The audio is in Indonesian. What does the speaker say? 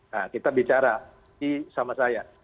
nah kita bicara sama saya